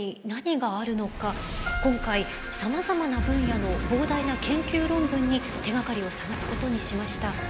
今回さまざまな分野の膨大な研究論文に手がかりを探すことにしました。